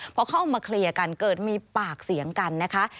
พอเข้ามาเคลียร์กันเกิดมีปากเสียงกันนะคะ